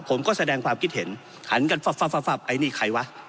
ผมก็แสดงความคิดเห็นหันกันฟับไอ้นี่ใครวะ